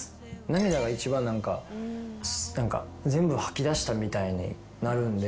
涙が一番全部吐き出したみたいになるんで。